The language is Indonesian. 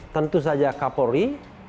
tentu saja kapolri